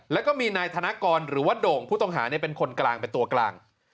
แล้วก็มีนายธนกรหรือว่าโด่งผู้ต้องหาเป็นคนกลางเป็นตัวกลาง